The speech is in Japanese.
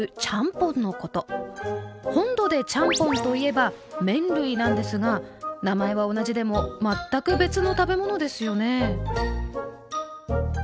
本土でちゃんぽんといえば麺類なんですが名前は同じでも全く別の食べ物ですよね。